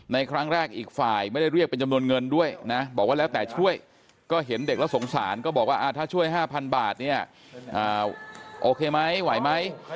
ในครั้งแรกอีกฝ่ายไม่ได้เรียกเป็นจำนวนเงินด้วยนะบอกว่าแล้วแต่ช่วยก็เห็นเด็กแล้วสงสารก็บอกว่าถ้าช่วย๕๐๐บาทเนี่ยโอเคไหมไหวไหม